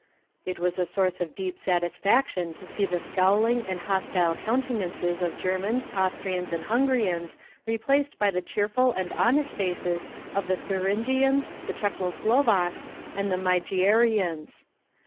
It was a source of deep satisfaction to see the scowling and hostile countenances of Germans, Austrians and Hungarians replaced by the cheerful and honest faces of the Thuringians, the Czecho Slovaks and the Magyarians.